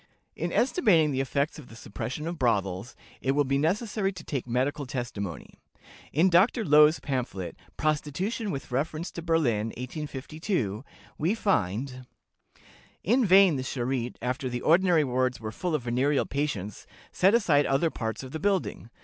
'" In estimating the effects of the suppression of brothels, it will be necessary to take medical testimony. In Dr. Loewe's pamphlet, "Prostitution with reference to Berlin, 1852," we find: "In vain the Charité, after the ordinary wards were full of venereal patients, set aside other parts of the building.